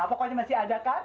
pokoknya masih ada kan